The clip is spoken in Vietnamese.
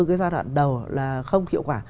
cái giai đoạn đầu là không hiệu quả